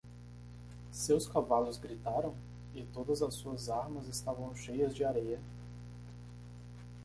Seus cavalos gritaram? e todas as suas armas estavam cheias de areia.